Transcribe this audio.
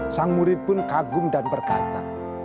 sang murid pun kagum dan berkata